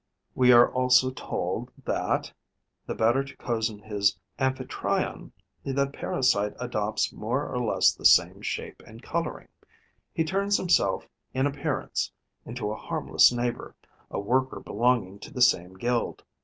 We are also told that, the better to cozen his amphitryon, the parasite adopts more or less the same shape and colouring; he turns himself, in appearance, into a harmless neighbour, a worker belonging to the same guild.